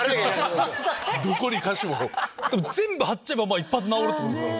全部貼っちゃえば一発治るってことですから。